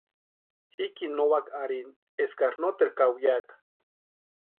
Jikini no úaka arhini eskari noteru kawiaka.